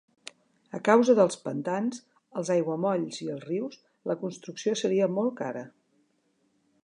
A causa dels pantans, els aiguamolls i els rius, la construcció seria molt cara.